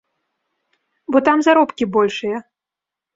Бо там заробкі большыя.